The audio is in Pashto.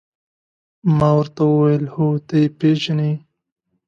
ما ورته وویل: هو، ته يې پېژنې؟